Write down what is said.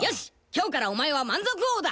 今日からお前は満足王だ！